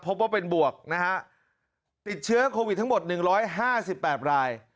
พบว่าเป็นบวกนะฮะติดเชื้อโควิดทั้งหมด๑๕๘ราย